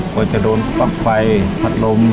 ควรจะโดนปล่อยฟัยผลัดรม